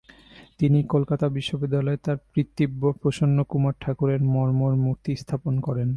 তিনি কলকাতা বিশ্ববিদ্যালয়ের তার পিতৃব্য প্রসন্নকুমার ঠাকুরের মর্মর মূর্তি স্থাপন করেন।